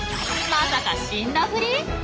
まさか死んだふり！？